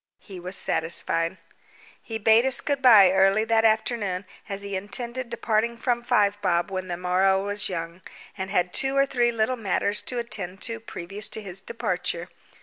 He was satisfied. He bade us good bye early that afternoon, as he intended departing from Five Bob when the morrow was young, and had two or three little matters to attend to previous to his departure.